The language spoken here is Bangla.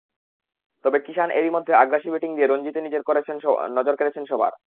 তবে কিশান এরই মধ্যে আগ্রাসী ব্যাটিং দিয়ে রঞ্জিতে নজর কেড়েছেন সবার।